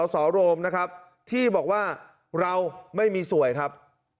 ส่อโรมที่บอกว่าเราไม่มีสวยครับ